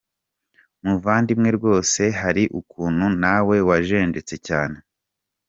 Muvandimwe rwose hari ukuntu nawe wajenjetse cyane.